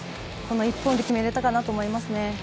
この１本で決めれたかなと思いますね。